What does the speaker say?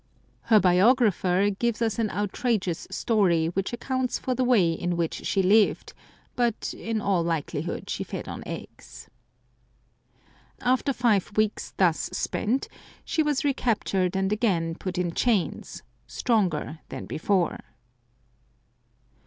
Her biographer gives us an outrageous story which accounts for the way in which she lived ; but in all likelihood she fed on eggs. After five weeks thus spent, she was recaptured and again put in chains, stronger than before.